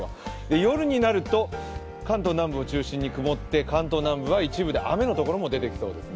夜になると関東南部を中心に曇って関東南部は一部で雨のところも出てきそうですね。